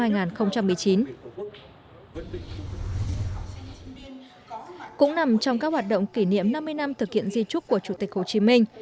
cũng nằm trong các hoạt động kỷ niệm năm mươi năm thực hiện di trúc của chủ tịch hồ chí minh